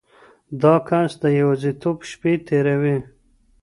دا کس د یوازیتوب شپې تیروي.